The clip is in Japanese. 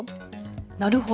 なるほど。